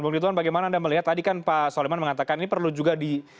bung rituan bagaimana anda melihat tadi kan pak soleman mengatakan ini perlu juga di